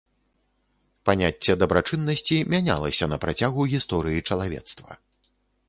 Паняцце дабрачыннасці мянялася на працягу гісторыі чалавецтва.